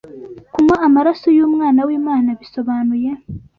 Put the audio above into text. kunywa amaraso y’Umwana w’Imana bisobanuye.